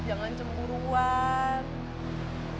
jangan cemburu ruan